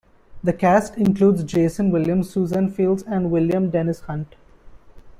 The cast includes Jason Williams, Suzanne Fields and William Dennis Hunt.